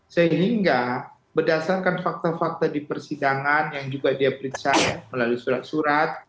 sehingga berdasarkan fakta fakta di persidangan yang juga dia periksa melalui surat surat